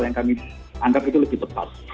yang kami anggap itu lebih tepat